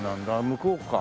向こうか。